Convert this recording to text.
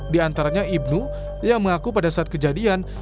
di antaranya ibnu yang mengaku pada saat kejadian